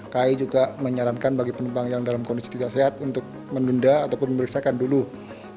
kai juga menyarankan bagi penumpang yang dalam kondisi tidak sehat untuk menunda ataupun memeriksakan dulu